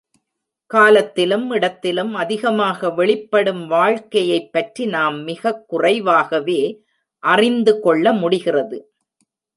காலத்திலும் இடத்திலும் அதிகமாக வெளிப்படும் வாழ்க்கையைப் பற்றி நாம் மிகக் குறைவாகவே அறிந்து கொள்ள முடிகிறது.